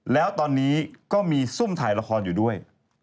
แล้วตอนนี้ก็มีซุ่มถ่ายละครอยู่ด้วย